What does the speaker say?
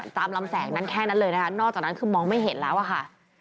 ตามลำแสงนั้นแค่นั้นเลยนะคะนอกจากนั้นคือมองไม่เห็นแล้วอะค่ะ